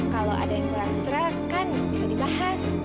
kalau ada yang kurang serah kan bisa dibahas